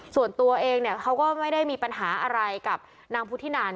ส่วนตัวเองเขาก็ไม่ได้มีปัญหาอะไรกับนางผู้ที่นั่น